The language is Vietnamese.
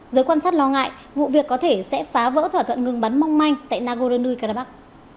giới quan sát lo ngại vụ việc có thể sẽ phá vỡ thỏa thuận ngừng bắn mong manh tại nagorno karabakh